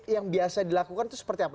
yang biasa dilakukan itu seperti apa